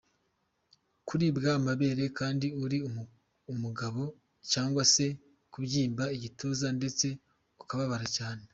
Kuribwa amabere kandi uri umugabo cyangwa se kubyimba igituza ndetse ukababara cyane.